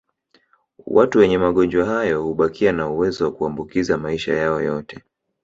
Watu wenye magonjwa hayo hubakia na uwezo wa kuambukiza maisha yao yote